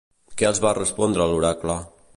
Què els va respondre l'oracle?